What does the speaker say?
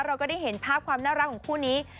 เราก็ได้เห็นภาพความน่ารักของคู่นี้